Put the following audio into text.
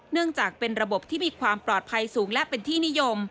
เนื่องจากเป็นระบบที่มีความปลอดภัยสูงและเป็นที่นิยม